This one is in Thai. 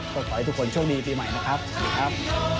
ก็ขอให้ทุกคนโชคดีปีใหม่นะครับสวัสดีครับ